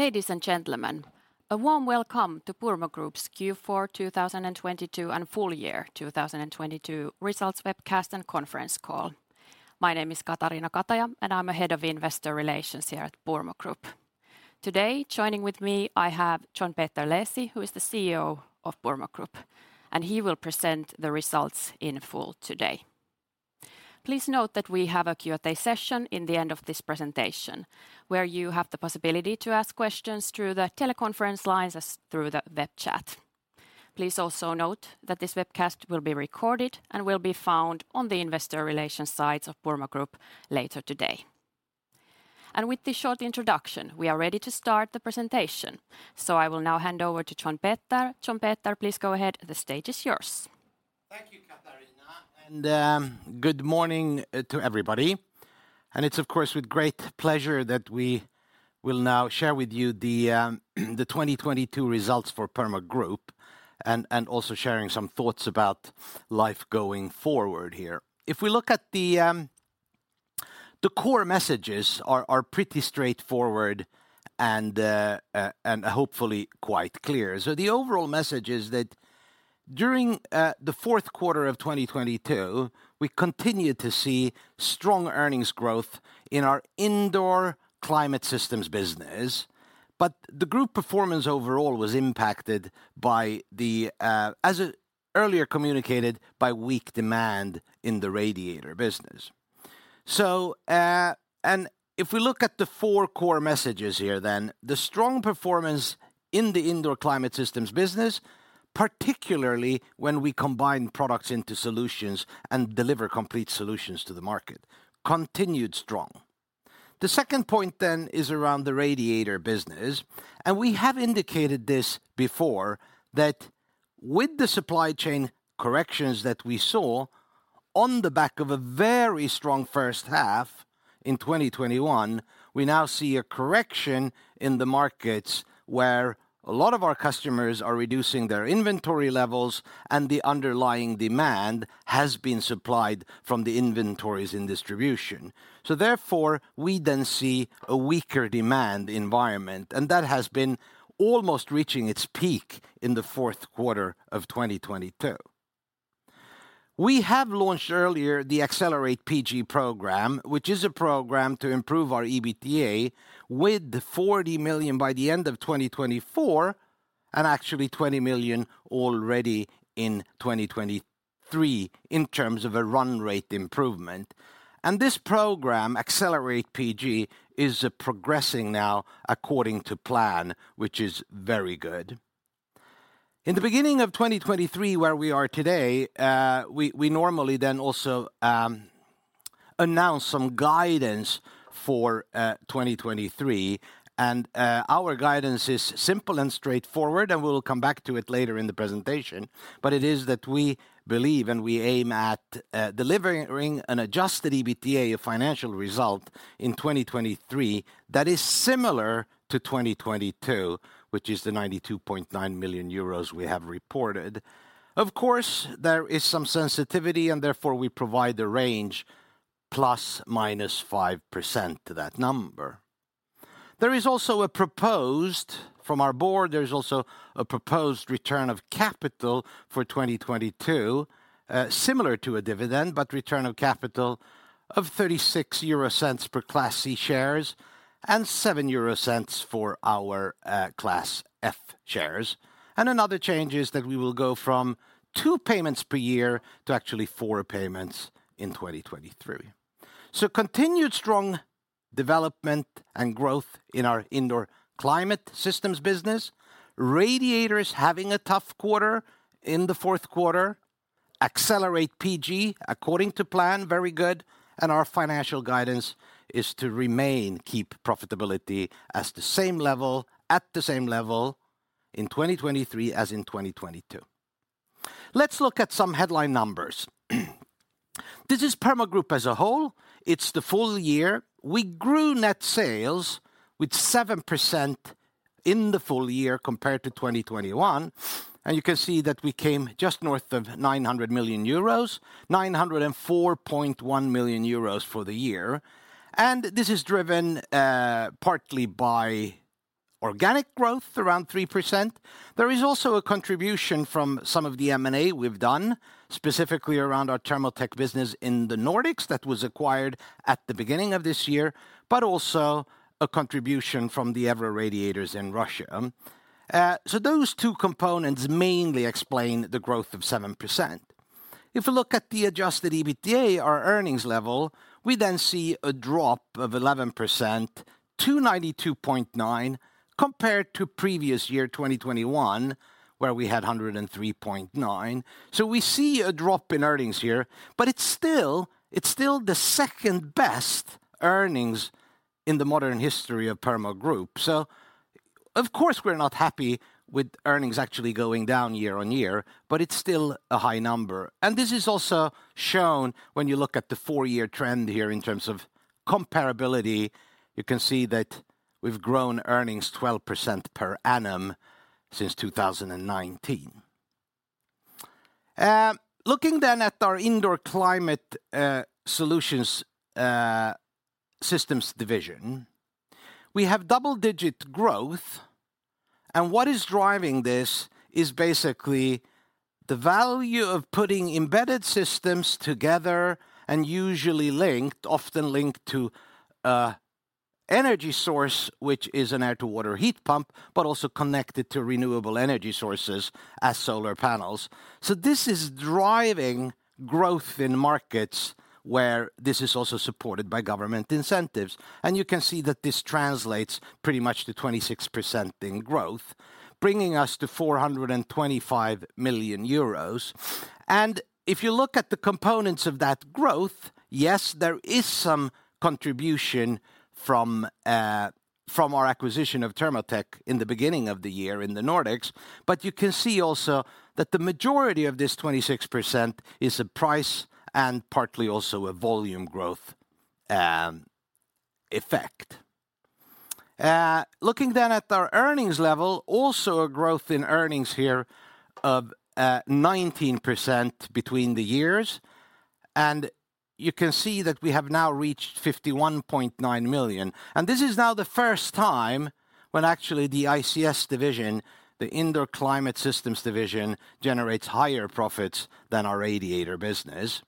Ladies and gentlemen, a warm welcome to Purmo Group's Q4 2022 and full year 2022 results webcast and conference call. My name is Katariina Kataja, I'm Head of Investor Relations here at Purmo Group. Today, joining with me, I have John-Peter Leesi, who is the CEO of Purmo Group. He will present the results in full today. Please note that we have a Q&A session in the end of this presentation, where you have the possibility to ask questions through the teleconference lines as through the web chat. Please also note that this webcast will be recorded and will be found on the investor relations sites of Purmo Group later today. With this short introduction, we are ready to start the presentation. I will now hand over to John-Peter. John-Peter, please go ahead. The stage is yours. Thank you, Katariina. Good morning to everybody. It's of course with great pleasure that we will now share with you the 2022 results for Purmo Group and also sharing some thoughts about life going forward here. If we look at the core messages are pretty straightforward and hopefully quite clear. The overall message is fourth quarter of 2022, we continued to see strong earnings growth in our Indoor Climate Systems business. The group performance overall was impacted by the as earlier communicated by weak demand in the radiator business. And if we look at the four core messages here then, the strong performance in the Indoor Climate Systems business, particularly when we combine products into solutions and deliver complete solutions to the market, continued strong. The second point is around the radiator business, we have indicated this before, that with the supply chain corrections that we saw on the back of a very strong first half in 2021, we now see a correction in the markets where a lot of our customers are reducing their inventory levels and the underlying demand has been supplied from the inventories in distribution. Therefore, we see a weaker demand environment, that has been almost reaching its fourth quarter of 2022. we have launched earlier the Accelerate PG program, which is a program to improve our EBITDA with 40 million by the end of 2024 and actually 20 million already in 2023 in terms of a run rate improvement. This program, Accelerate PG, is progressing now according to plan, which is very good. In the beginning of 2023, where we are today, we normally then also announce some guidance for 2023, and our guidance is simple and straightforward, and we'll come back to it later in the presentation. It is that we believe, and we aim at delivering an Adjusted EBITDA, a financial result in 2023 that is similar to 2022, which is the 92.9 million euros we have reported. Of course, there is some sensitivity and therefore we provide the range ±5% to that number. There is also a proposed, from our board, there's also a proposed return of capital for 2022, similar to a dividend, but return of capital of 0.36 per Class C shares and 0.07 for our Class F shares. Another change is that we will go from two payments per year to actually four payments in 2023. Continued strong development and growth in our Indoor Climate Systems business. Radiators having a tough fourth quarter. accelerate pg according to plan, very good. Our financial guidance is to remain, keep profitability at the same level in 2023 as in 2022. Let's look at some headline numbers. This is Purmo Group as a whole. It's the full year. We grew net sales with 7% in the full year compared to 2021. You can see that we came just north of 900 million euros, 904.1 million euros for the year. This is driven, partly by organic growth, around 3%. There is also a contribution from some of the M&A we've done, specifically around our Thermotech business in the Nordics that was acquired at the beginning of this year, but also a contribution from the Evroradiator in Russia. Those two components mainly explain the growth of 7%. If you look at the Adjusted EBITDA, our earnings level, we then see a drop of 11% to 92.9 compared to previous year, 2021, where we had 103.9. We see a drop in earnings here, but it's still the second-best earnings in the modern history of Purmo Group. Of course, we're not happy with earnings actually going down year-over-year, but it's still a high number. This is also shown when you look at the four-year trend here in terms of comparability. You can see that we've grown earnings 12% per annum since 2019. Looking then at our Indoor Climate solutions systems division, we have double-digit growth. What is driving this is basically the value of putting embedded systems together and usually linked, often linked to a energy source, which is an air-to-water heat pump, but also connected to renewable energy sources as solar panels. This is driving growth in markets where this is also supported by government incentives. You can see that this translates pretty much to 26% in growth, bringing us to 425 million euros. If you look at the components of that growth, yes, there is some contribution from our acquisition of Thermotech in the beginning of the year in the Nordics. You can see also that the majority of this 26% is a price and partly also a volume growth effect. Looking at our earnings level, also a growth in earnings here of 19% between the years. You can see that we have now reached 51.9 million. This is now the first time when actually the ICS division, the Indoor Climate Systems division, generates higher profits than our radiator business.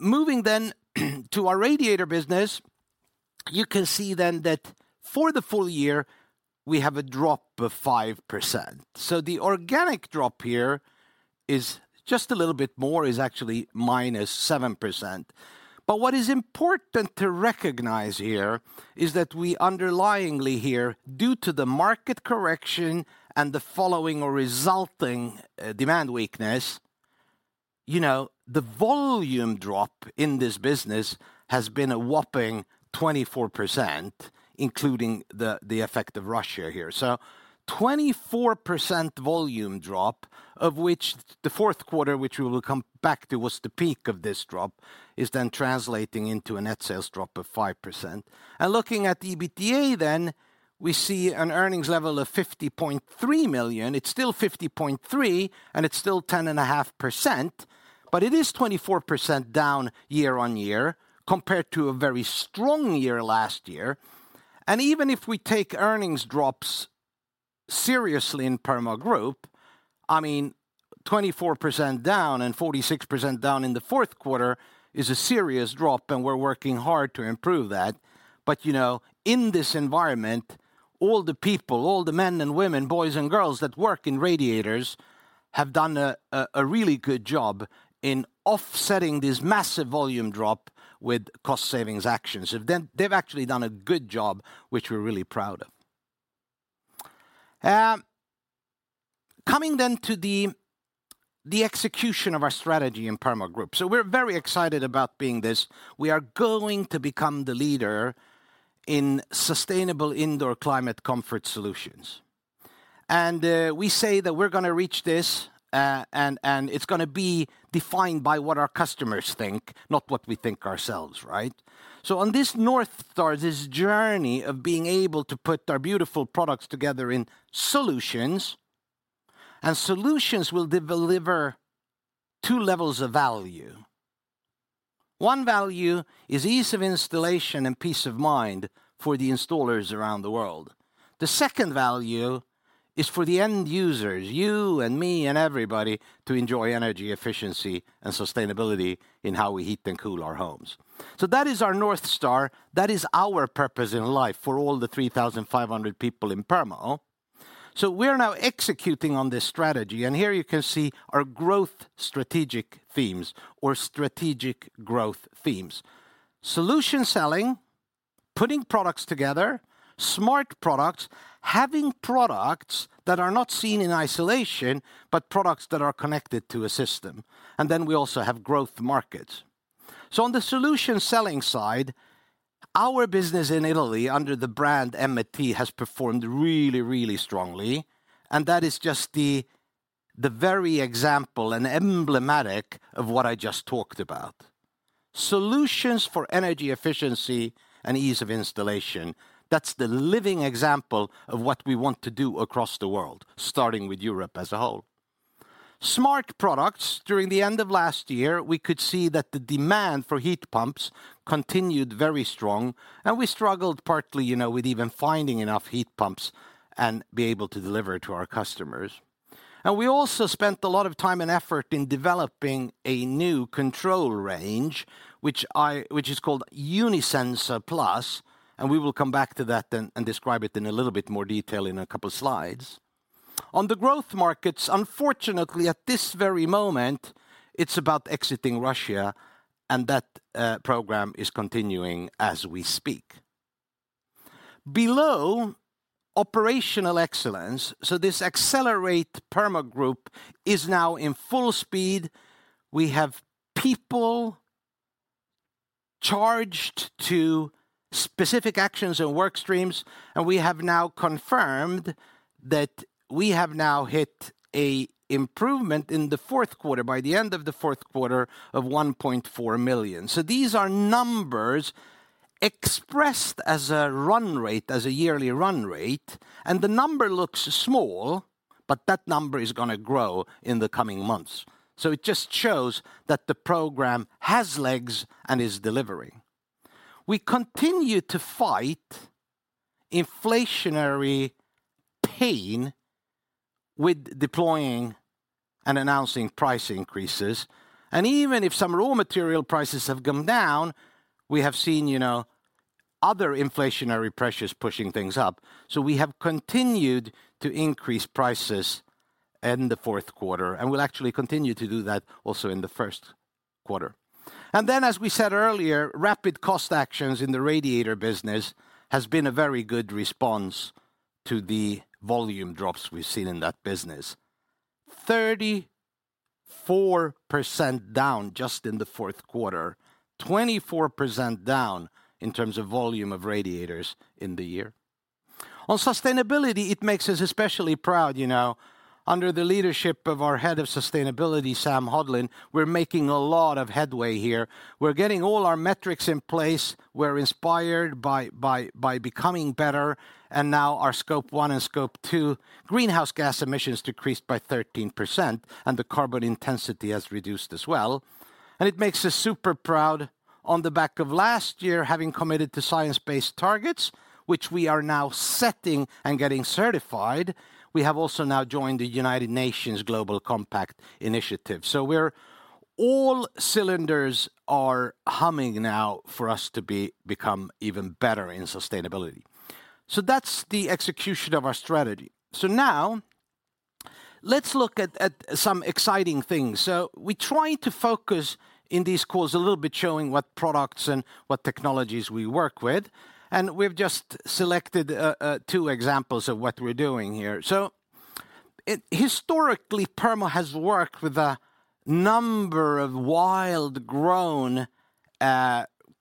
Moving to our radiator business, you can see then that for the full year, we have a drop of 5%. The organic drop here is just a little bit more, is actually -7%. What is important to recognize here is that we underlyingly here, due to the market correction and the following or resulting, demand weakness, you know, the volume drop in this business has been a whopping 24%, including the effect of Russia here. 24% volume drop, fourth quarter, which we will come back to, was the peak of this drop, is then translating into a net sales drop of 5%. Looking at the EBITDA then, we see an earnings level of 50.3 million. It's still 50.3, and it's still 10.5%, but it is 24% down year-on-year compared to a very strong year last year. Even if we take earnings drops seriously in Purmo Group, I mean, 24% down and 46% fourth quarter is a serious drop, and we're working hard to improve that. You know, in this environment, all the people, all the men and women, boys and girls that work in radiators have done a really good job in offsetting this massive volume drop with cost savings actions. They've actually done a good job, which we're really proud of. Coming then to the execution of our strategy in Purmo Group. We're very excited about being this. We are going to become the leader in sustainable indoor climate comfort solutions. We say that we're gonna reach this, and it's gonna be defined by what our customers think, not what we think ourselves, right? On this North Star, this journey of being able to put our beautiful products together in solutions, and solutions will de-deliver two levels of value. One value is ease of installation and peace of mind for the installers around the world. The second value is for the end users, you and me and everybody, to enjoy energy efficiency and sustainability in how we heat and cool our homes. That is our North Star. That is our purpose in life for all the 3,500 people in Purmo. We're now executing on this strategy, and here you can see our growth strategic themes or strategic growth themes. Solution selling, putting products together, smart products, having products that are not seen in isolation, but products that are connected to a system. We also have growth markets. On the solution selling side, our business in Italy under the brand Emmeti has performed really, really strongly, and that is just the very example and emblematic of what I just talked about. Solutions for energy efficiency and ease of installation, that's the living example of what we want to do across the world, starting with Europe as a whole. Smart products, during the end of last year, we could see that the demand for heat pumps continued very strong, and we struggled partly, you know, with even finding enough heat pumps and be able to deliver to our customers. We also spent a lot of time and effort in developing a new control range, which is called Unisenza Plus, and we will come back to that and describe it in a little bit more detail in a couple slides. On the growth markets, unfortunately, at this very moment, it's about exiting Russia, and that program is continuing as we speak. Below operational excellence, this accelerate Purmo Group is now in full speed. We have people charged to specific actions and work streams, and we have now confirmed that we have now hit a fourth quarter, of eur 1.4 million. These are numbers expressed as a run rate, as a yearly run rate, and the number looks small, but that number is gonna grow in the coming months. It just shows that the program has legs and is delivering. We continue to fight inflationary pain with deploying and announcing price increases. Even if some raw material prices have come down, we have seen, you know, other inflationary pressures pushing things up. We have continued to increase fourth quarter, and we'll actually continue to do that also in the first quarter. As we said earlier, rapid cost actions in the radiator business has been a very good response to the volume drops we've seen in that business. 34% down fourth quarter, 24% down in terms of volume of radiators in the year. On sustainability, it makes us especially proud, you know, under the leadership of our Head of Sustainability, Sam Hodlin, we're making a lot of headway here. We're getting all our metrics in place. We're inspired by becoming better. Our Scope one and Scope two greenhouse gas emissions decreased by 13%, and the carbon intensity has reduced as well. It makes us super proud on the back of last year, having committed to science-based targets, which we are now setting and getting certified. We have also now joined the United Nations Global Compact initiative. All cylinders are humming now for us to become even better in sustainability. That's the execution of our strategy. Now let's look at some exciting things. We try to focus in these calls a little bit, showing what products and what technologies we work with. We've just selected two examples of what we're doing here. Historically, Purmo has worked with a number of wild-grown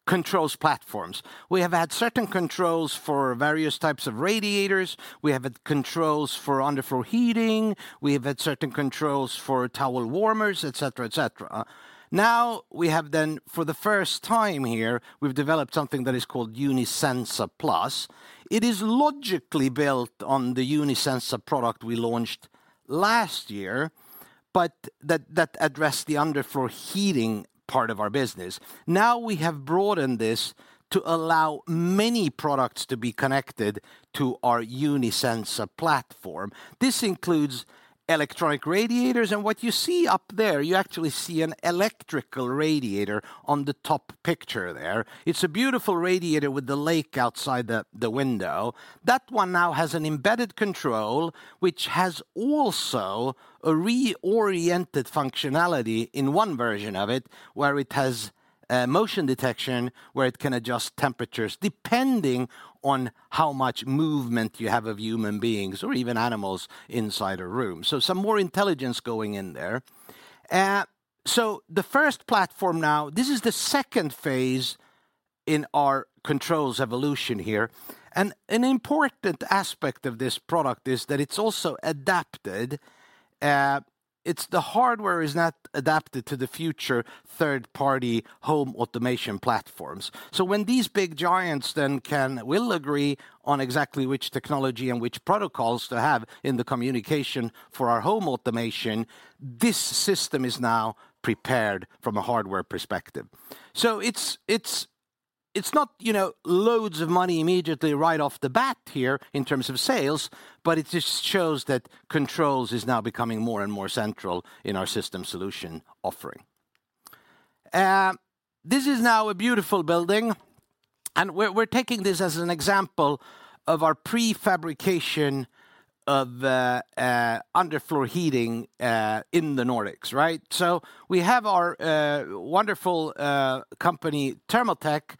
controls platforms. We have had certain controls for various types of radiators. We have had controls for underfloor heating. We have had certain controls for towel warmers, et cetera, et cetera. We have, for the first time here, we've developed something that is called Unisenza Plus. It is logically built on the Unisenza product we launched last year, that addressed the underfloor heating part of our business. We have broadened this to allow many products to be connected to our Unisenza platform. This includes electronic radiators. What you see up there, you actually see an electrical radiator on the top picture there. It's a beautiful radiator with the lake outside the window. That one now has an embedded control which has also a reoriented functionality in one version of it, where it has motion detection, where it can adjust temperatures depending on how much movement you have of human beings or even animals inside a room. Some more intelligence going in there. The first platform now, this is the second phase in our controls evolution here. An important aspect of this product is that the hardware is now adapted to the future third-party home automation platforms. When these big giants then will agree on exactly which technology and which protocols to have in the communication for our home automation, this system is now prepared from a hardware perspective. It's not, you know, loads of money immediately right off the bat here in terms of sales, but it just shows that controls is now becoming more and more central in our system solution offering. This is now a beautiful building, and we're taking this as an example of our prefabrication of underfloor heating in the Nordics, right? We have our wonderful company, Thermotech,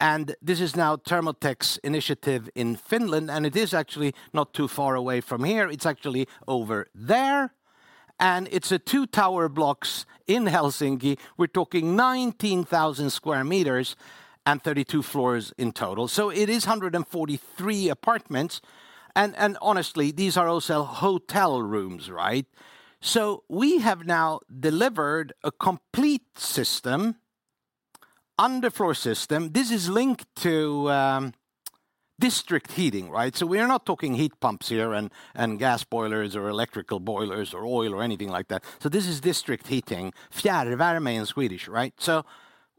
and this is now Thermotech's initiative in Finland, and it is actually not too far away from here. It's actually over there. It's a two tower blocks in Helsinki. We're talking 19,000 square meters and 32 floors in total. It is 143 apartments. Honestly, these are also hotel rooms, right? We have now delivered a complete system, underfloor system. This is linked to district heating, right? We are not talking heat pumps here and gas boilers or electrical boilers or oil or anything like that. This is district heating, fjärrvärme in Swedish, right?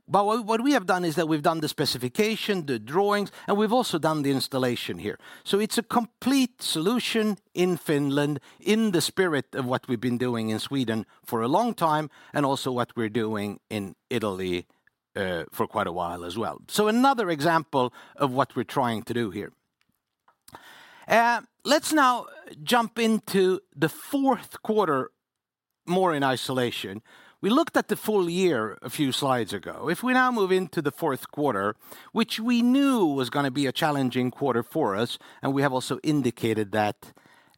What we have done is that we've done the specification, the drawings, and we've also done the installation here. It's a complete solution in Finland in the spirit of what we've been doing in Sweden for a long time, and also what we're doing in Italy for quite a while as well. Another example of what we're trying to do here. Let's now fourth quarter more in isolation. We looked at the full year a few slides ago. If we now fourth quarter, which we knew was gonna be a challenging quarter for us, and we have also indicated that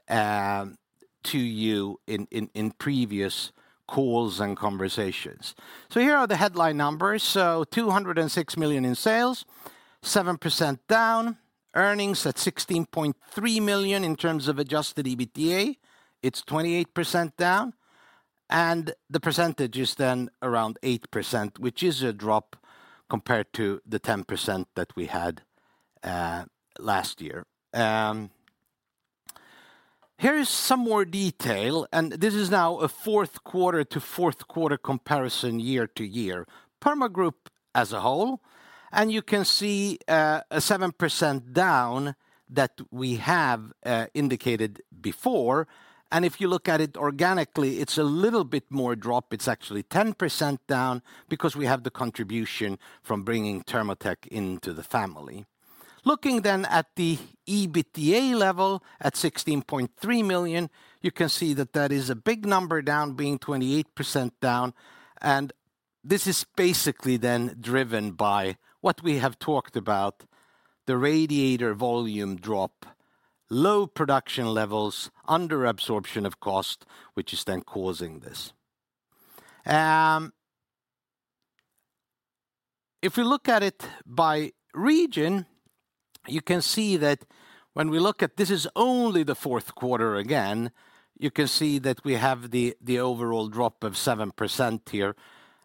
to you in previous calls and conversations. Here are the headline numbers. 206 million in sales, 7% down. Earnings at 16.3 million in terms of Adjusted EBITDA, it's 28% down. The percentage is then around 8%, which is a drop compared to the 10% that we had last year. Here is some more detail, this fourth quarter comparison year-to-year. purmo Group as a whole, you can see a 7% down that we have indicated before. If you look at it organically, it's a little bit more drop. It's actually 10% down because we have the contribution from bringing Thermotech into the family. Looking at the EBITDA level at 16.3 million, you can see that that is a big number down, being 28% down, this is basically driven by what we have talked about, the radiator volume drop, low production levels, under absorption of cost, which is then causing this. If you look at it by region, you can see that when we look at this fourth quarter again, you can see that we have the overall drop of 7% here.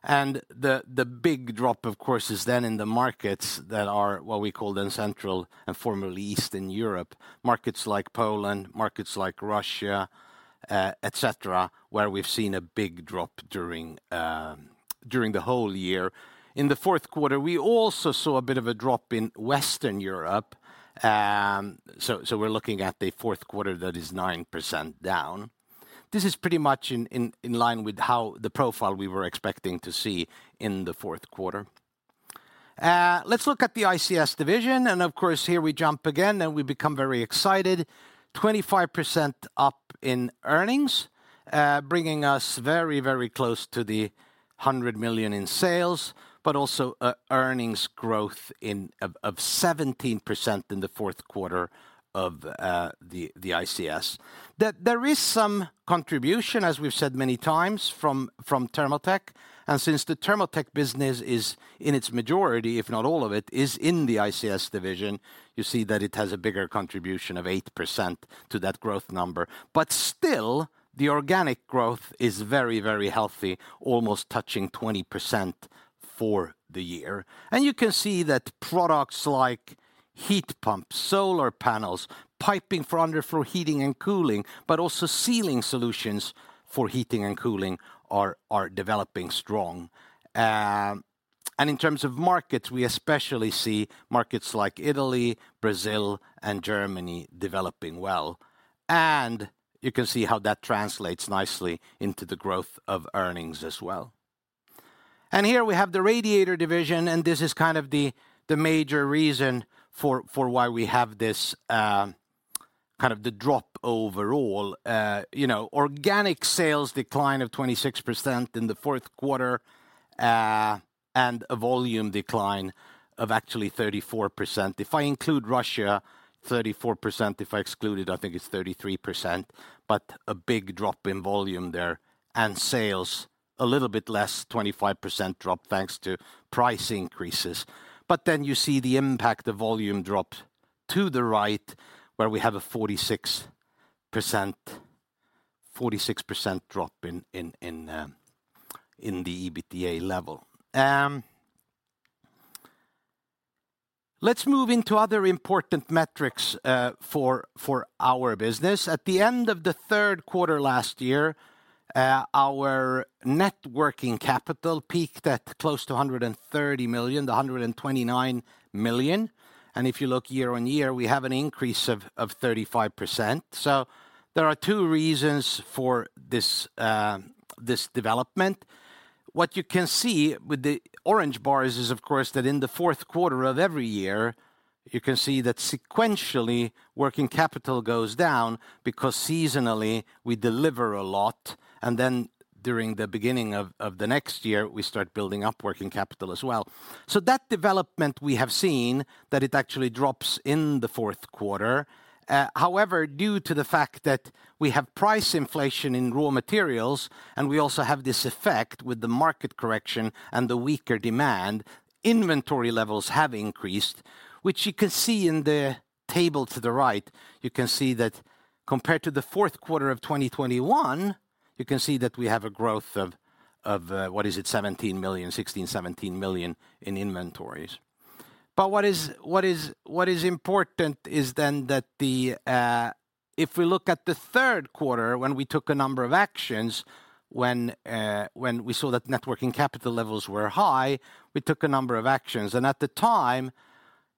The big drop, of course, is in the markets that are what we call central and formerly Eastern Europe, markets like Poland, markets like Russia, et cetera, where we've seen a big drop during the whole year. fourth quarter, we also saw a bit of a drop in Western Europe. We're fourth quarter that is 9% down. This is pretty much in line with how the profile we were expecting to fourth quarter. let's look at the ICS division. Of course, here we jump again, and we become very excited. 25% up in earnings, bringing us very close to 100 million in sales. Also a earnings growth of fourth quarter of the ics. There is some contribution, as we've said many times from Thermotech, and since the Thermotech business is in its majority, if not all of it, is in the ICS division, you see that it has a bigger contribution of 8% to that growth number. Still, the organic growth is very healthy, almost touching 20% for the year. You can see that products like heat pumps, solar panels, piping for underfloor heating and cooling, but also ceiling solutions for heating and cooling are developing strong. In terms of markets, we especially see markets like Italy, Brazil, and Germany developing well. You can see how that translates nicely into the growth of earnings as well. Here we have the radiator division, this is kind of the major reason for why we have this drop overall. You know, organic sales decline of fourth quarter, and a volume decline of actually 34%. If I include Russia, 34%. If I exclude it, I think it's 33%. A big drop in volume there and sales a little bit less, 25% drop, thanks to price increases. You see the impact of volume dropped to the right where we have a 46% drop in the EBITDA level. Let's move into other important metrics for our business. At the end of the third quarter last year, our net working capital peaked at close to 130 million, 129 million. If you look year-on-year, we have an increase of 35%.There are two reasons for this development. What you can see with the orange bars is, of course, fourth quarter of every year, you can see that sequentially working capital goes down because seasonally we deliver a lot, and then during the beginning of the next year, we start building up working capital as well. That development we have seen that it actually drops in the fourth quarter. However, due to the fact that we have price inflation in raw materials and we also have this effect with the market correction and the weaker demand, inventory levels have increased, which you can see in the table to the right. You can see that fourth quarter of 2021, you can see that we have a growth of, what is it, 17 million, 16, 17 million in inventories. What is important is then that the if we look at the third quarter when we took a number of actions, when we saw that net working capital levels were high, we took a number of actions. At the time,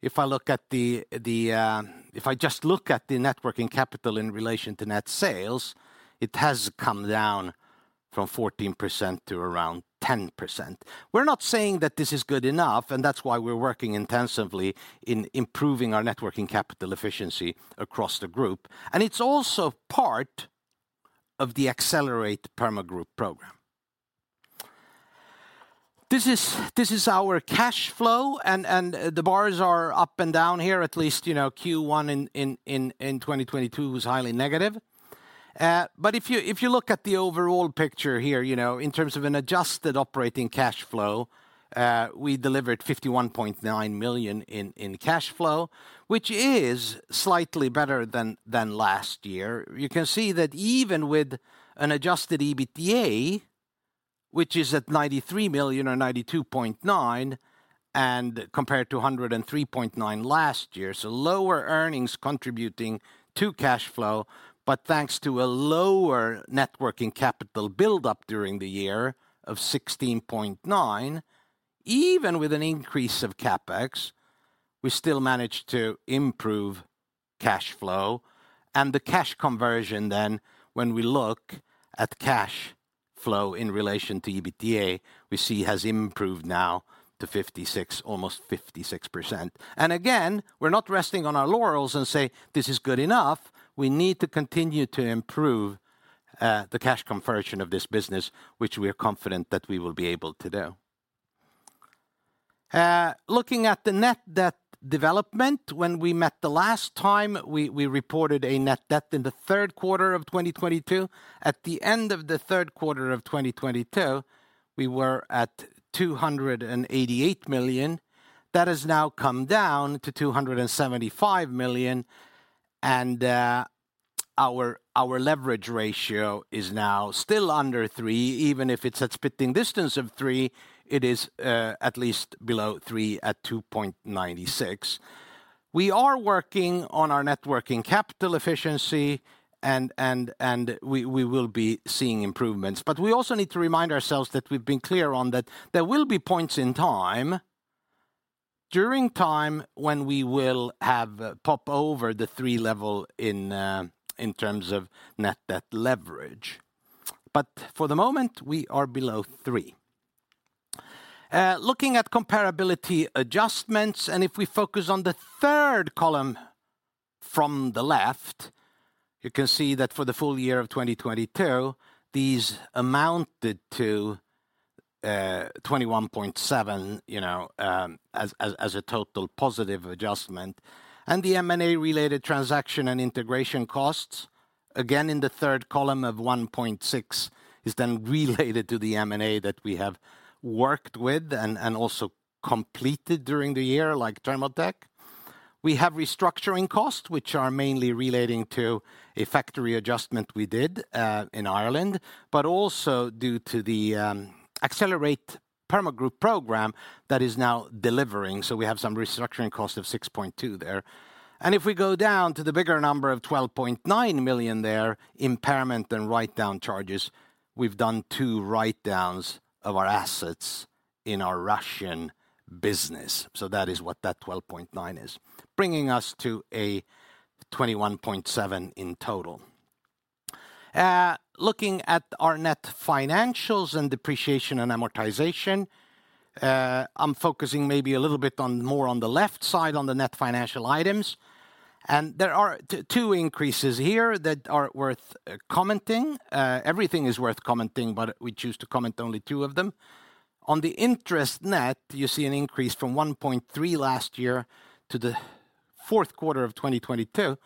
if I look at the, if I just look at the net working capital in relation to net sales, it has come down from 14% to around 10%. We're not saying that this is good enough, and that's why we're working intensively in improving our net working capital efficiency across the group. It's also part of the Accelerate PG program. This is our cash flow, and the bars are up and down here. At least, you know, Q1 in 2022 was highly negative. If you, if you look at the overall picture here, you know, in terms of an adjusted operating cash flow, we delivered 51.9 million in cash flow, which is slightly better than last year. You can see that even with an Adjusted EBITDA, which is at 93 million or 92.9 million and compared to 103.9 million last year. Lower earnings contributing to cash flow, but thanks to a lower net working capital build up during the year of 16.9 million, even with an increase of CapEx, we still managed to improve cash flow. The cash conversion then when we look at cash flow in relation to EBITDA, we see has improved now to 56%, almost 56%. Again, we're not resting on our laurels and say, "This is good enough." We need to continue to improve the cash conversion of this business, which we are confident that we will be able to do. Looking at the net debt development. When we met the last time, we reported a net debt in the third quarter of 2022. At the end of the third quarter of 2022, we were at 288 million. That has now come down to 275 million, our leverage ratio is now still under three. Even if it's at spitting distance of three, it is at least below three at 2.96. We are working on our net working capital efficiency, and we will be seeing improvements. We also need to remind ourselves that we've been clear on that there will be points in time, during time when we will have pop over the three level in terms of net debt leverage. For the moment, we are below three. Looking at comparability adjustments, if we focus on the third column from the left, you can see that for the full year of 2022, these amounted to 21.7, you know, as a total positive adjustment. The M&A related transaction and integration costs, again, in the third column of 1.6, is then related to the M&A that we have worked with and also completed during the year, like Thermotech. We have restructuring costs, which are mainly relating to a factory adjustment we did in Ireland, but also due to the Accelerate PG program that is now delivering. We have some restructuring cost of 6.2 there. If we go down to the bigger number of 12.9 million there, impairment and write-down charges, we've done two write-downs of our assets in our Russian business. That is what that 12.9 is. Bringing us to a 21.7 in total. Looking at our net financials and depreciation and amortization, I'm focusing maybe a little bit on more on the left side, on the net financial items. There are two increases here that are worth commenting. Everything is worth commenting, but we choose to comment only two of them. On the interest net, you see an increase from 1.3 last year to Q4 2022,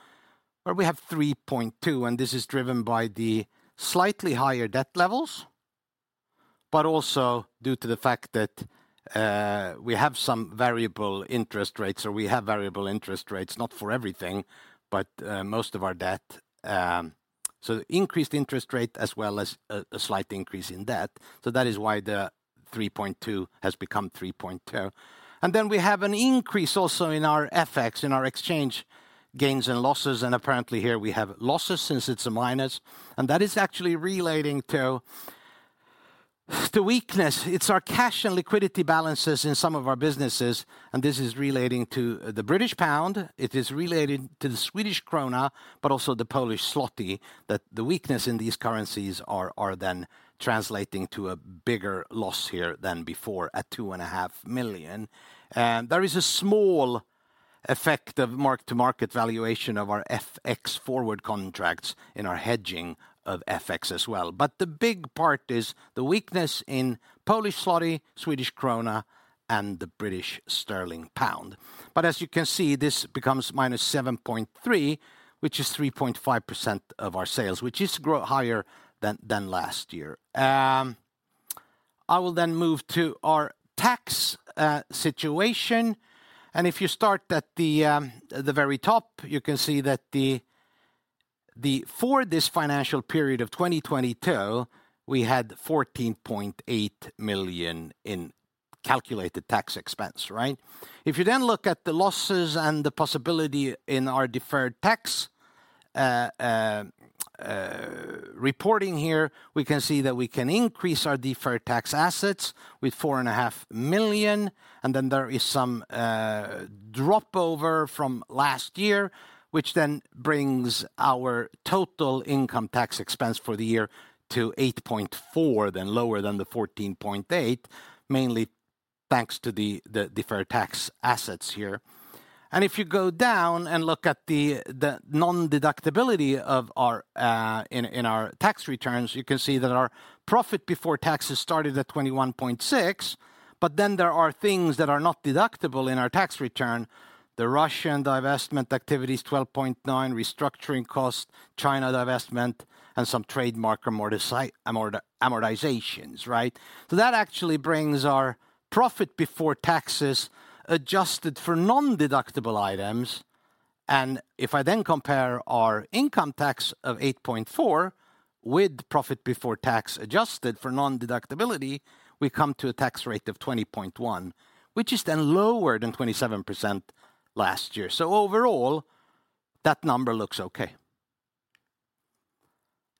where we have 3.2. This is driven by the slightly higher debt levels, but also due to the fact that we have some variable interest rates, or we have variable interest rates, not for everything, but most of our debt. Increased interest rate as well as a slight increase in debt. That is why the 3.2 has become 3.2. We have an increase also in our FX, in our exchange gains and losses. Apparently here we have losses since it's a minus. That is actually relating to the weakness. It's our cash and liquidity balances in some of our businesses, and this is relating to the British pound. It is relating to the Swedish krona, but also the Polish zloty, that the weakness in these currencies are then translating to a bigger loss here than before at two and a half million. There is a small effect of mark-to-market valuation of our FX forward contracts in our hedging of FX as well. The big part is the weakness in Polish zloty, Swedish krona, and the British sterling pound. As you can see, this becomes minus 7.3, which is 3.5% of our sales, which is grow higher than last year. I will then move to our tax situation. If you start at the very top, you can see that for this financial period of 2022, we had 14.8 million in calculated tax expense, right? If you look at the losses and the possibility in our deferred tax reporting here, we can see that we can increase our deferred tax assets with four and a half million. There is some drop over from last year, which brings our total income tax expense for the year to 8.4, then lower than 14.8, mainly thanks to the deferred tax assets here. If you go down and look at the non-deductibility of our in our tax returns, you can see that our profit before taxes started at 21.6. There are things that are not deductible in our tax return. The Russian divestment activities, 12.9, restructuring costs, China divestment, and some trademark amortizations. Right? That actually brings our profit before taxes adjusted for non-deductible items. If I then compare our income tax of 8.4 with profit before tax adjusted for non-deductibility, we come to a tax rate of 20.1%, which is then lower than 27% last year. Overall, that number looks okay.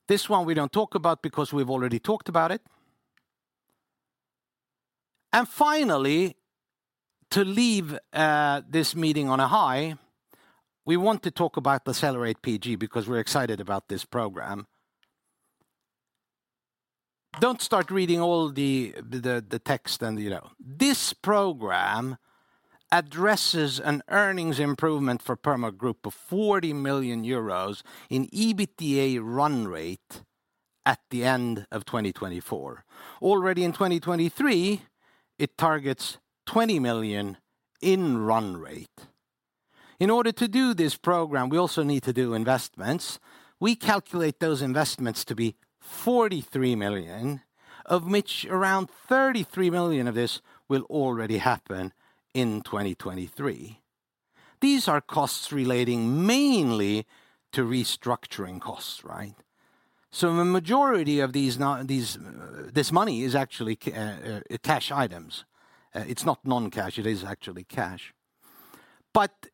This one we don't talk about because we've already talked about it. Finally, to leave this meeting on a high, we want to talk about Accelerate PG because we're excited about this program. Don't start reading all the text and, you know. This program addresses an earnings improvement for Purmo Group of 40 million euros in EBITDA run rate at the end of 2024. Already in 2023, it targets 20 million in run rate. In order to do this program, we also need to do investments. We calculate those investments to be 43 million, of which around 33 million of this will already happen in 2023. These are costs relating mainly to restructuring costs, right? The majority of this money is actually cash items. It's not non-cash, it is actually cash.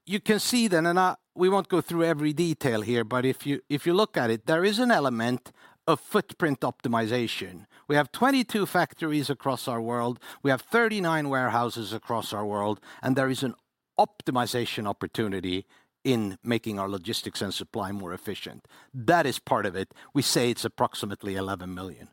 You can see then, and we won't go through every detail here, but if you, if you look at it, there is an element of footprint optimization. We have 22 factories across our world. We have 39 warehouses across our world, and there is an optimization opportunity in making our logistics and supply more efficient. That is part of it. We say it's approximately 11 million.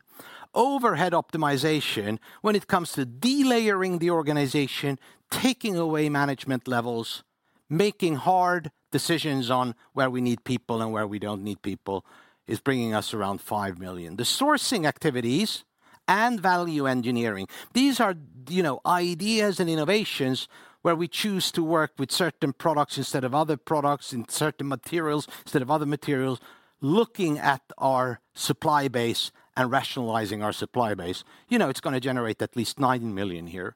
Overhead optimization, when it comes to delayering the organization, taking away management levels, making hard decisions on where we need people and where we don't need people, is bringing us around 5 million. The sourcing activities and value engineering, these are, you know, ideas and innovations where we choose to work with certain products instead of other products and certain materials instead of other materials, looking at our supply base and rationalizing our supply base. You know, it's gonna generate at least 9 million here.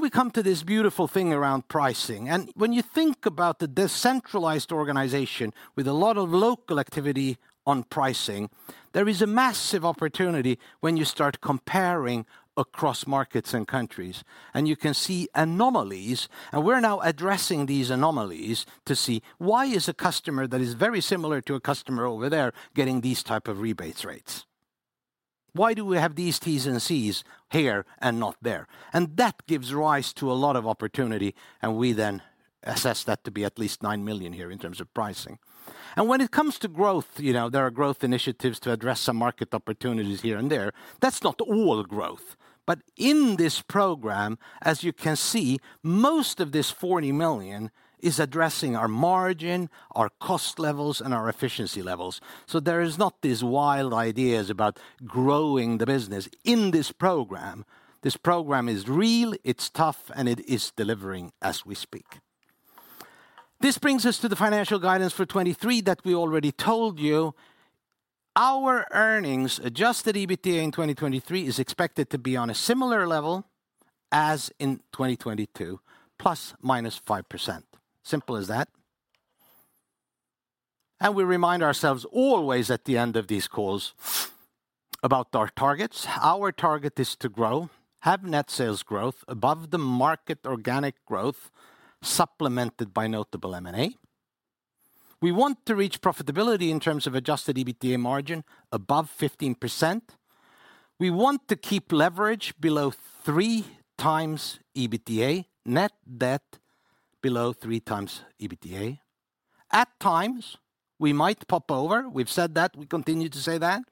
We come to this beautiful thing around pricing. When you think about the decentralized organization with a lot of local activity on pricing, there is a massive opportunity when you start comparing across markets and countries, and you can see anomalies. We're now addressing these anomalies to see why is a customer that is very similar to a customer over there getting these type of rebates rates. Why do we have these T's and C's here and not there? That gives rise to a lot of opportunity, and we then assess that to be at least 9 million here in terms of pricing. When it comes to growth, you know, there are growth initiatives to address some market opportunities here and there. That's not all growth. In this program, as you can see, most of this 40 million is addressing our margin, our cost levels, and our efficiency levels. There is not these wild ideas about growing the business in this program. This program is real, it's tough, and it is delivering as we speak. This brings us to the financial guidance for 2023 that we already told you. Our earnings, Adjusted EBITDA in 2023, is expected to be on a similar level as in 2022, ±5%. Simple as that. We remind ourselves always at the end of these calls about our targets. Our target is to grow, have net sales growth above the market organic growth, supplemented by notable M&A. We want to reach profitability in terms of Adjusted EBITDA margin above 15%. We want to keep leverage below three times EBITDA, net debt below three times EBITDA. At times, we might pop over. We've said that. We continue to say that.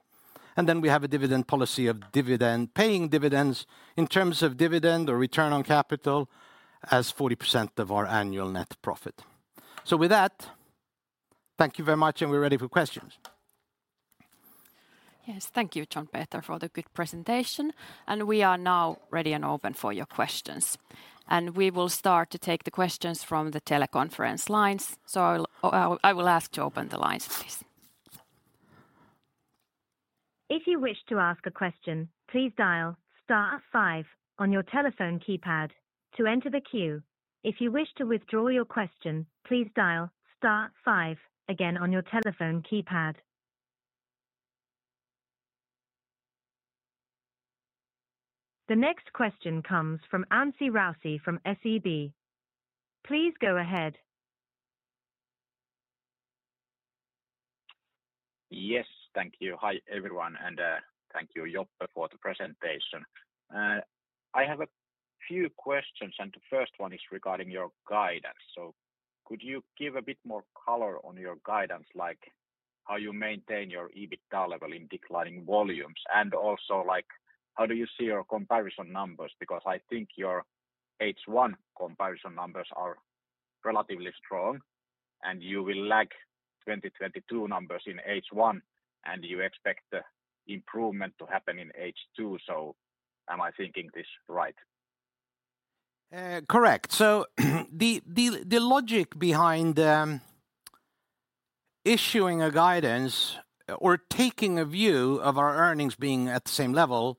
We have a dividend policy of paying dividends in terms of dividend or return on capital as 40% of our annual net profit. With that, thank you very much, and we're ready for questions. Yes. Thank you, John Peter, for the good presentation. We are now ready and open for your questions. We will start to take the questions from the teleconference lines. I will ask to open the lines, please. If you wish to ask a question, please dial star five on your telephone keypad to enter the queue. If you wish to withdraw your question, please dial star five again on your telephone keypad. The next question comes from Anssi Raussi from SEB. Please go ahead. Yes. Thank you. Hi, everyone, and thank you, Joppe, for the presentation. I have a few questions, and the first one is regarding your guidance. Could you give a bit more color on your guidance, like how you maintain your EBITDA level in declining volumes? Like, how do you see your comparison numbers? I think your H1 comparison numbers are relatively strong, and you will lag 2022 numbers in H1, and you expect the improvement to happen in H2. Am I thinking this right? Correct. The logic behind the issuing a guidance or taking a view of our earnings being at the same level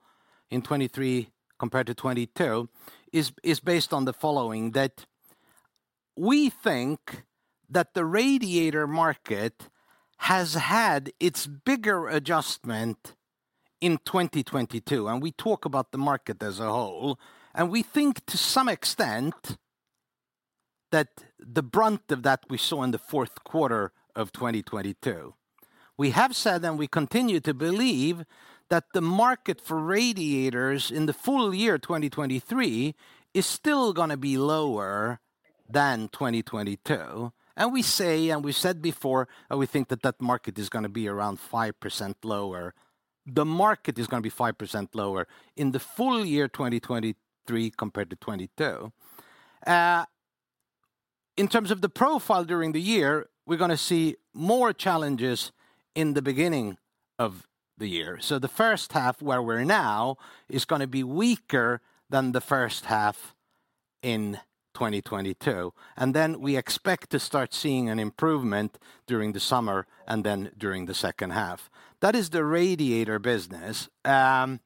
in 2023 compared to 2022 is based on the following, that we think that the radiator market has had its bigger adjustment in 2022, and we talk about the market as a whole, and we think to some extent that the brunt of that we fourth quarter of 2022. we have said, and we continue to believe, that the market for radiators in the full year 2023 is still gonna be lower than 2022. We say, and we said before, that we think that that market is gonna be around 5% lower. The market is gonna be 5% lower in the full year 2023 compared to 2022. In terms of the profile during the year, we're gonna see more challenges in the beginning of the year. The first half, where we're now, is gonna be weaker than the first half in 2022. We expect to start seeing an improvement during the summer and then during the second half. That is the radiator business, and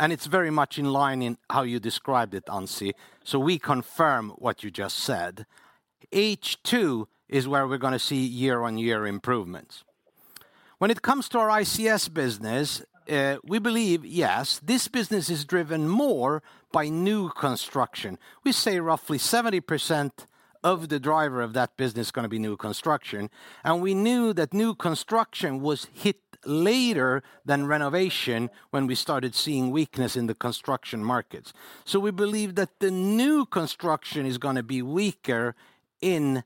it's very much in line in how you described it, Anssi. We confirm what you just said. H2 is where we're gonna see year-on-year improvements. When it comes to our ICS business, we believe, yes, this business is driven more by new construction. We say roughly 70% of the driver of that business is gonna be new construction. We knew that new construction was hit later than renovation when we started seeing weakness in the construction markets. We believe that the new construction is going to be weaker in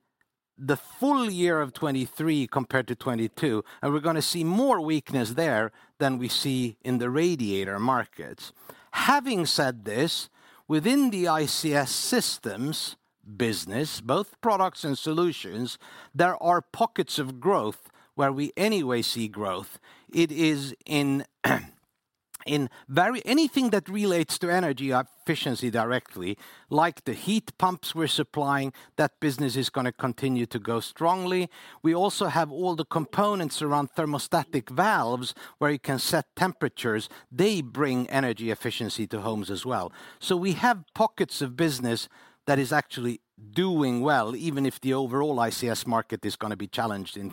the full year of 23 compared to 22, and we are going to see more weakness there than we see in the radiator markets. Having said this, within the ICS systems business, both products and solutions, there are pockets of growth where we anyway see growth. Anything that relates to energy efficiency directly, like the heat pumps we are supplying, that business is going to continue to go strongly. We also have all the components around thermostatic valves where you can set temperatures. They bring energy efficiency to homes as well. We have pockets of business that is actually doing well, even if the overall ICS market is going to be challenged in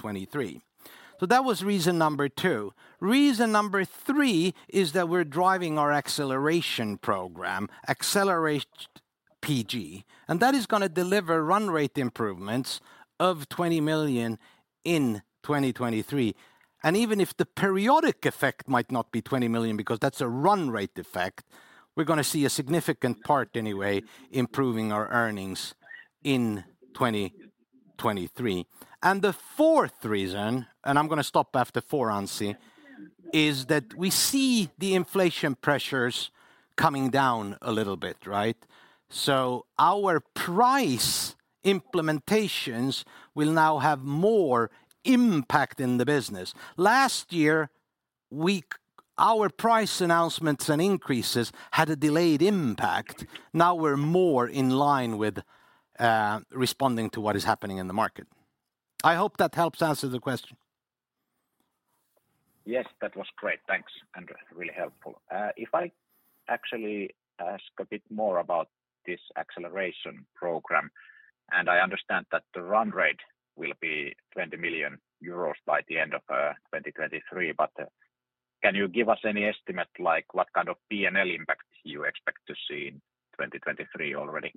23. That was reason number two. Reason number three is that we're driving our acceleration program, Accelerate PG, that is gonna deliver run rate improvements of 20 million in 2023. Even if the periodic effect might not be 20 million because that's a run rate effect, we're gonna see a significant part anyway improving our earnings in 2023. The fourth reason, I'm gonna stop after four, Anssi Raussi, is that we see the inflation pressures coming down a little bit, right? Our price implementations will now have more impact in the business. Last year, our price announcements and increases had a delayed impact. Now we're more in line with responding to what is happening in the market. I hope that helps answer the question. Yes, that was great. Thanks, really helpful. If I actually ask a bit more about this acceleration program, I understand that the run rate will be 20 million euros by the end of 2023. Can you give us any estimate, like what kind of P&L impact you expect to see in 2023 already?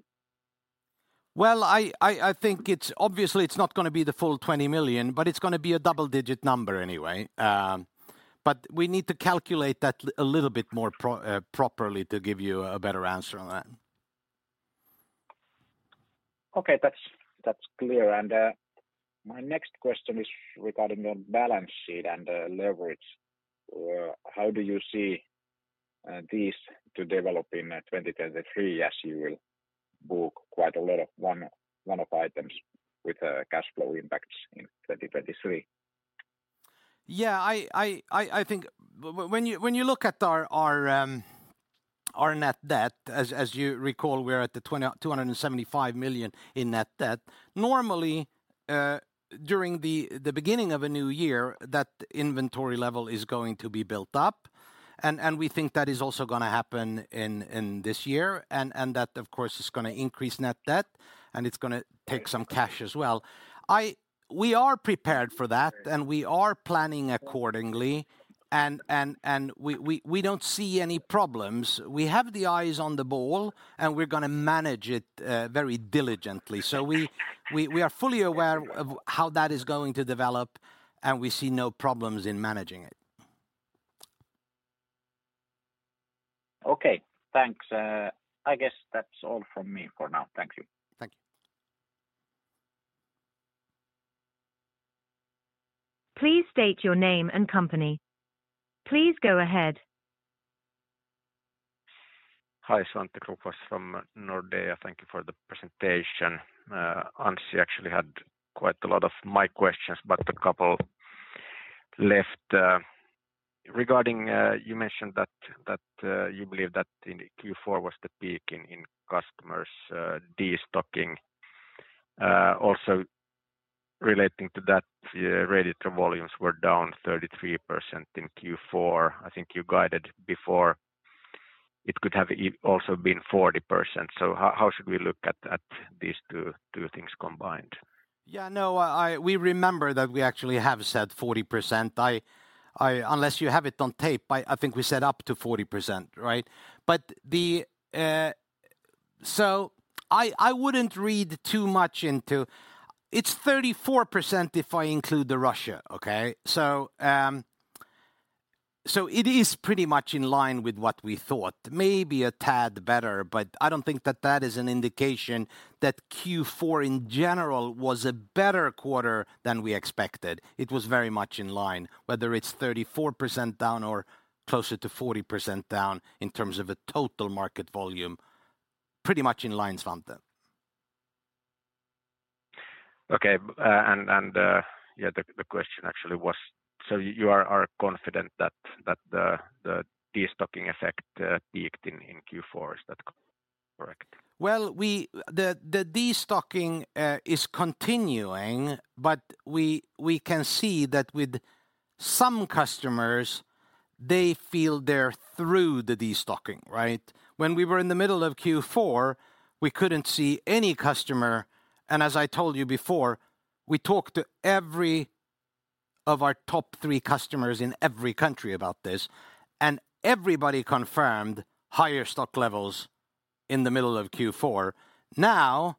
I think it's. Obviously, it's not gonna be the full 20 million, but it's gonna be a double-digit number anyway. We need to calculate that a little bit more properly to give you a better answer on that. Okay. That's clear. My next question is regarding the balance sheet and leverage. How do you see these to develop in 2023 as you will book quite a lot of one-off items with cash flow impacts in 2023? Yeah, I think when you look at our net debt, as you recall, we're at the 275 million in net debt. Normally, during the beginning of a new year, that inventory level is going to be built up, and we think that is also gonna happen in this year, and that of course is gonna increase net debt, and it's gonna take some cash as well. We are prepared for that, and we are planning accordingly, and we don't see any problems. We have the eyes on the ball, and we're gonna manage it very diligently. We are fully aware of how that is going to develop, and we see no problems in managing it. Okay, thanks. I guess that's all from me for now. Thank you. Thank you. Please state your name and company. Please go ahead. Hi. Svante Krokfors from Nordea. Thank you for the presentation. Anssi actually had quite a lot of my questions, but a couple left regarding you mentioned that you believe that in Q4 was the peak in customers' destocking. Also relating to that, radiator volumes were down 33% in Q4. I think you guided before it could have also been 40%. How should we look at these two things combined? Yeah, no, I. We remember that we actually have said 40%. Unless you have it on tape, I think we said up to 40%, right? I wouldn't read too much into... It's 34% if I include the Russia, okay? It is pretty much in line with what we thought, maybe a tad better, but I don't think that that is an indication that Q4 in general was a better quarter than we expected. It was very much in line, whether it's 34% down or closer to 40% down in terms of the total market volume. Pretty much in line, Svante. Okay. Yeah, the question actually was, you are confident that the destocking effect peaked in Q4. Is that correct? Well, the destocking is continuing, we can see that with some customers, they feel they're through the destocking, right? When we were in the middle of Q4, we couldn't see any customer. As I told you before, we talked to every of our top three customers in every country about this, everybody confirmed higher stock levels in the middle of Q4. Now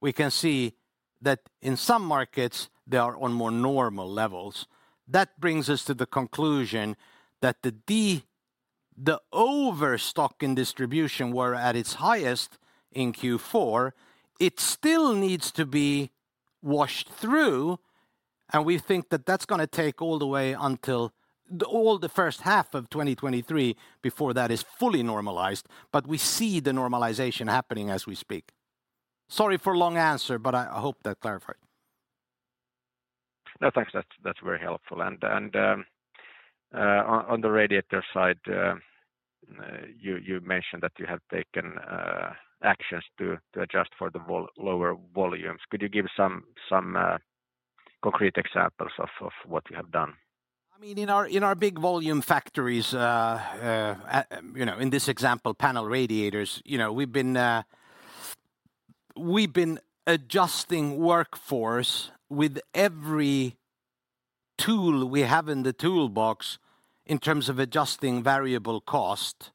we can see that in some markets, they are on more normal levels. That brings us to the conclusion that the overstock in distribution were at its highest in Q4. It still needs to be washed through. We think that that's gonna take all the way until the first half of 2023 before that is fully normalized, we see the normalization happening as we speak. Sorry for long answer, but I hope that clarified. No, thanks. That's very helpful. On the radiator side, you mentioned that you have taken actions to adjust for the lower volumes. Could you give some concrete examples of what you have done? I mean, in our, in our big volume factories, you know, in this example, panel radiators, you know, we've been adjusting workforce with every tool we have in the toolbox in terms of adjusting variable cost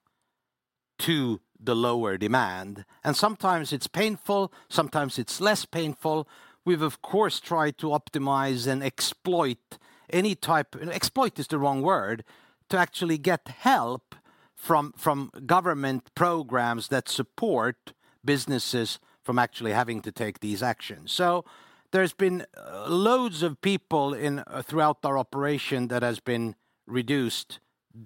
to the lower demand. Sometimes it's painful, sometimes it's less painful. We've of course tried to optimize and exploit any type... Exploit is the wrong word. To actually get help from government programs that support businesses from actually having to take these actions. There's been loads of people throughout our operation that has been reduced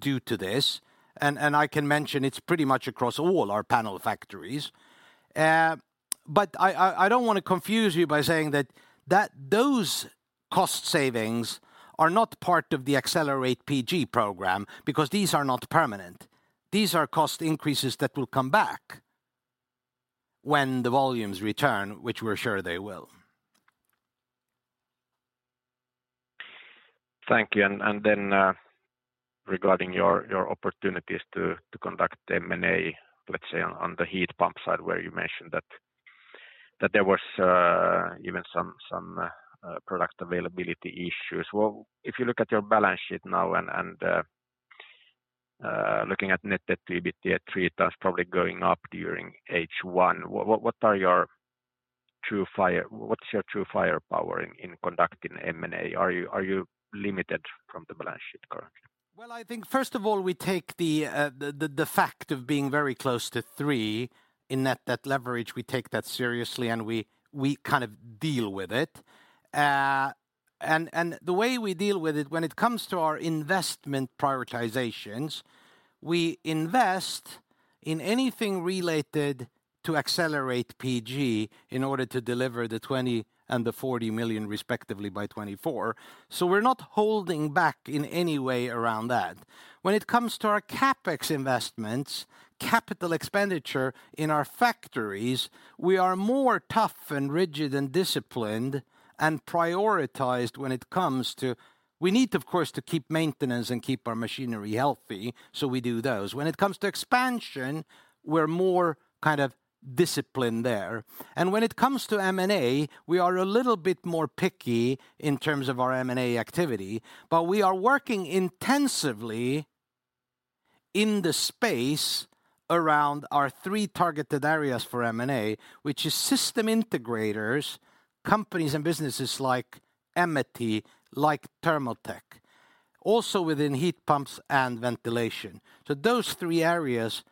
due to this, and I can mention it's pretty much across all our panel factories. I don't wanna confuse you by saying that those cost savings are not part of the Accelerate PG program because these are not permanent. These are cost increases that will come back when the volumes return, which we're sure they will. Thank you. Regarding your opportunities to conduct M&A, let's say on the heat pump side, where you mentioned that there was even some product availability issues. If you look at your balance sheet now and looking at net debt to EBITDA is probably going up during H1, what's your true firepower in conducting M&A? Are you limited from the balance sheet currently? Well, I think first of all, we take the fact of being very close to three in net debt leverage, we take that seriously and we kind of deal with it. The way we deal with it when it comes to our investment prioritizations, we invest in anything related to Accelerate PG in order to deliver the 20 million and the 40 million respectively by 2024. We're not holding back in any way around that. When it comes to our CapEx investments, capital expenditure in our factories, we are more tough and rigid and disciplined and prioritized. We need of course to keep maintenance and keep our machinery healthy, so we do those. When it comes to expansion, we're more kind of disciplined there. When it comes to M&A, we are a little bit more picky in terms of our M&A activity, but we are working intensively in the space around our three targeted areas for M&A, which is system integrators, companies and businesses like Amity, like Thermotech, also within heat pumps and ventilation. Those three areas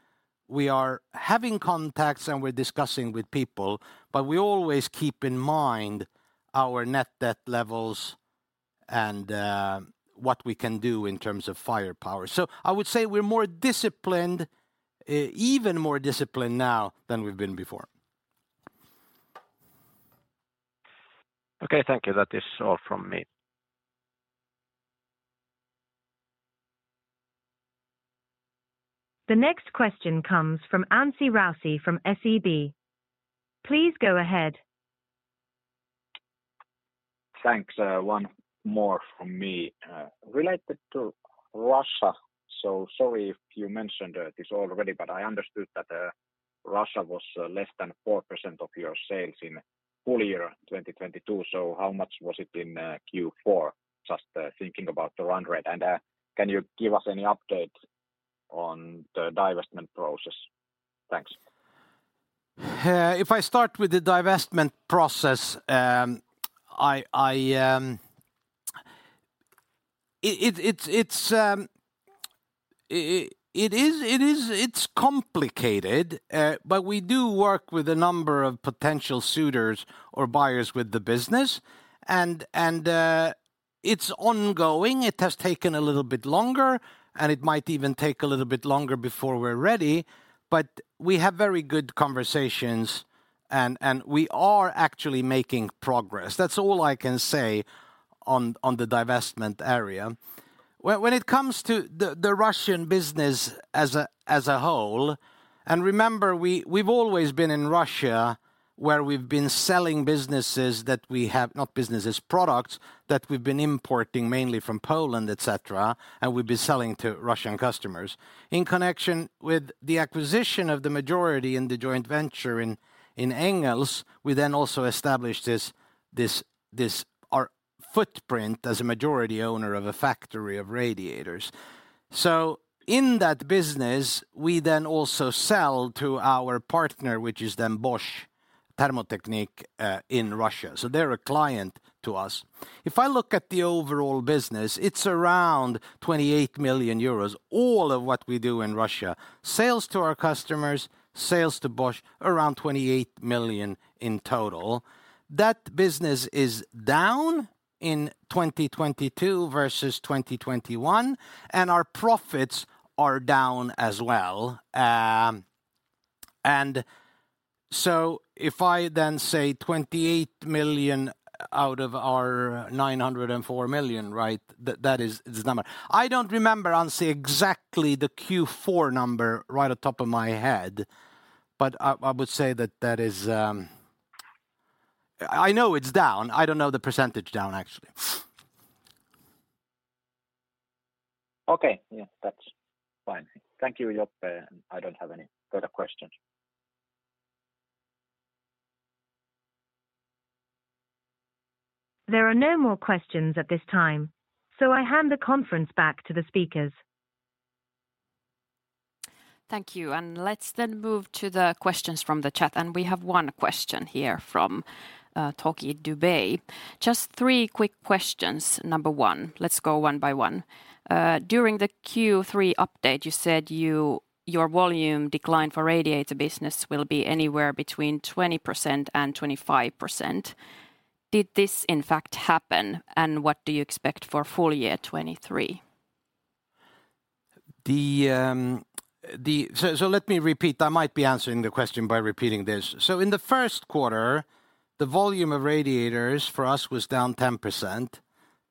we are having contacts and we're discussing with people, but we always keep in mind our net debt levels and what we can do in terms of firepower. I would say we're more disciplined, even more disciplined now than we've been before. Okay, thank you. That is all from me. The next question comes from Anssi Raussi from SEB. Please go ahead. Thanks. One more from me. Related to Russia, sorry if you mentioned this already, but I understood that Russia was less than 4% of your sales in full year 2022. How much was it in Q4? Just thinking about the run rate. Can you give us any update on the divestment process? Thanks. If I start with the divestment process, I. It's complicated, but we do work with a number of potential suitors or buyers with the business and it's ongoing. It has taken a little bit longer, and it might even take a little bit longer before we're ready. We have very good conversations and we are actually making progress. That's all I can say on the divestment area. When it comes to the Russian business as a whole, remember we've always been in Russia, where we've been selling businesses that we have. Not businesses, products that we've been importing mainly from Poland, et cetera, and we've been selling to Russian customers. In connection with the acquisition of the majority in the joint venture in Engels, we then also established our footprint as a majority owner of a factory of radiators. In that business, we then also sell to our partner, which is then Bosch Thermotechnik in Russia. They're a client to us. If I look at the overall business, it's around 28 million euros, all of what we do in Russia. Sales to our customers, sales to Bosch, around 28 million in total. That business is down in 2022 versus 2021, and our profits are down as well. If I then say 28 million out of our 904 million, right, that is the number. I don't remember, Anssi, exactly the Q4 number right on top of my head. I would say that that is. I know it's down. I don't know the % down, actually. Okay. Yeah, that's fine. Thank you, Joppe. I don't have any further questions. There are no more questions at this time, so I hand the conference back to the speakers. Thank you. Let's then move to the questions from the chat. We have 1 question here from Toki Dubai. Just three quick questions. Number one, let's go one by one. During the Q3 update, you said your volume decline for radiator business will be anywhere between 20% and 25%. Did this in fact happen, and what do you expect for full year 2023? Let me repeat. I might be answering the question by repeating this. In the first quarter, the volume of radiators for us was down 10%.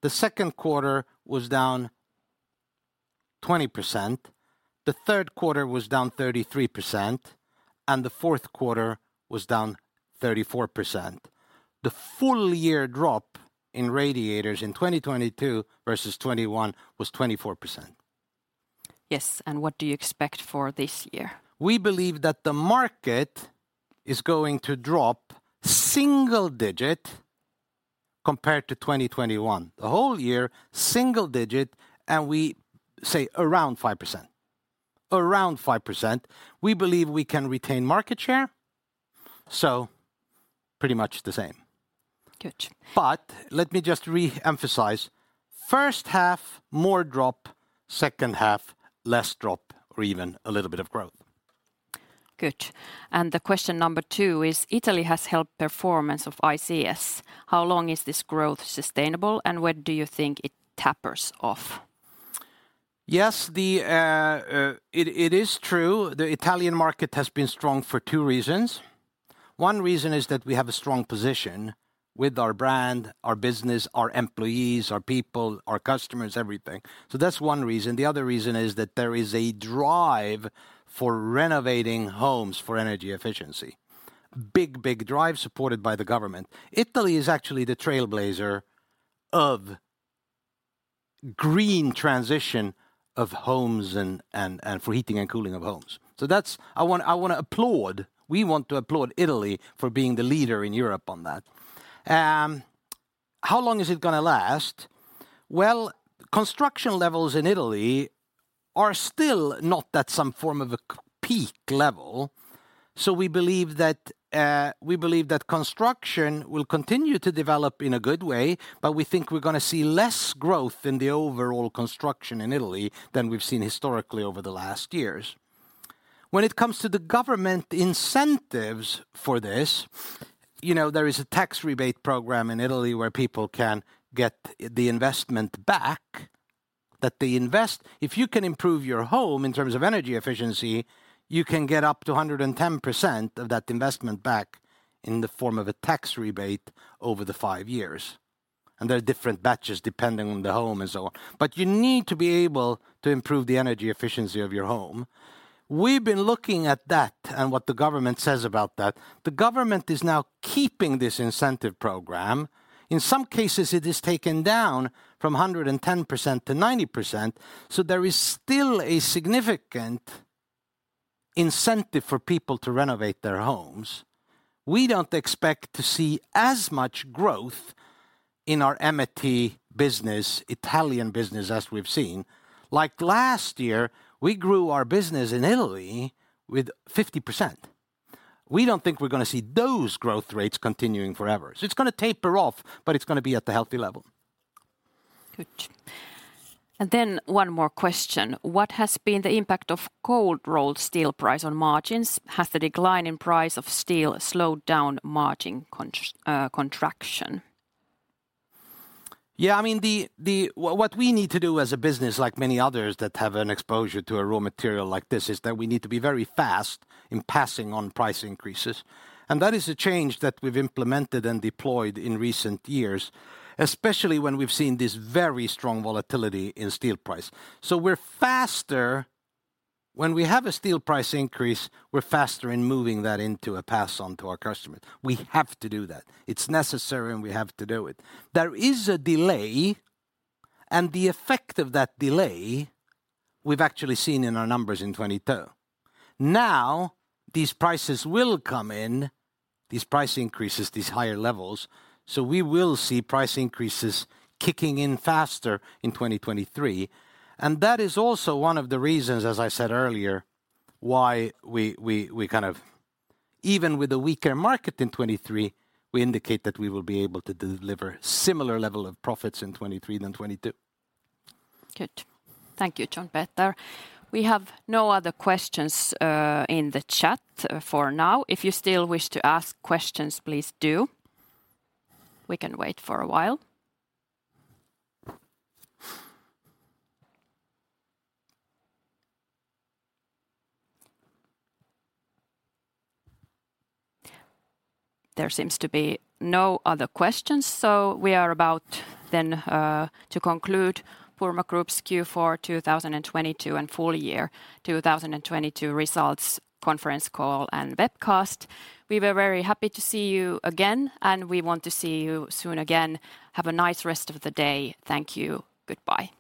The second quarter was down 20%. The third quarter was down fourth quarter was down 34%. The full year drop in radiators in 2022 versus 2021 was 24%. Yes. What do you expect for this year? We believe that the market is going to drop single-digit compared to 2021. The whole year, single-digit, and we say around 5%. Around 5%. We believe we can retain market share, so pretty much the same. Good. Let me just re-emphasize. First half, more drop. Second half, less drop or even a little bit of growth. Good. The question number two is Italy has helped performance of ICS. How long is this growth sustainable, and when do you think it tapers off? It is true. The Italian market has been strong for two reasons. One reason is that we have a strong position with our brand, our business, our employees, our people, our customers, everything. That's 1 reason. The other reason is that there is a drive for renovating homes for energy efficiency. Big drive supported by the government. Italy is actually the trailblazer of green transition of homes and for heating and cooling of homes. I wanna applaud, we want to applaud Italy for being the leader in Europe on that. How long is it gonna last? Construction levels in Italy are still not at some form of a peak level. We believe that we believe that construction will continue to develop in a good way. We think we're gonna see less growth in the overall construction in Italy than we've seen historically over the last years. When it comes to the government incentives for this, you know, there is a tax rebate program in Italy where people can get the investment back that they invest. If you can improve your home in terms of energy efficiency, you can get up to 110% of that investment back in the form of a tax rebate over the five years, and there are different batches depending on the home and so on. You need to be able to improve the energy efficiency of your home. We've been looking at that and what the government says about that. The government is now keeping this incentive program. In some cases it is taken down from 110% to 90%, so there is still a significant incentive for people to renovate their homes. We don't expect to see as much growth in our Amity business, Italian business as we've seen. Like last year we grew our business in Italy with 50%. We don't think we're gonna see those growth rates continuing forever, so it's gonna taper off, but it's gonna be at the healthy level. Good. One more question, what has been the impact of cold rolled steel price on margins? Has the decline in price of steel slowed down margin contraction? Yeah, I mean, the what we need to do as a business like many others that have an exposure to a raw material like this, is that we need to be very fast in passing on price increases. That is a change that we've implemented and deployed in recent years, especially when we've seen this very strong volatility in steel price. We're faster. When we have a steel price increase, we're faster in moving that into a pass on to our customer. We have to do that. It's necessary and we have to do it. There is a delay. The effect of that delay we've actually seen in our numbers in 2022. These prices will come in, these price increases, these higher levels. We will see price increases kicking in faster in 2023. That is also one of the reasons, as I said earlier, why we kind of even with the weaker market in 2023, we indicate that we will be able to deliver similar level of profits in 2023 than 2022. Good. Thank you, John Peter. We have no other questions in the chat for now. If you still wish to ask questions, please do. We can wait for a while. There seems to be no other questions. We are about then to conclude Purmo Group's Q4 2022 and full year 2022 results conference call and webcast. We were very happy to see you again. We want to see you soon again. Have a nice rest of the day. Thank you. Goodbye.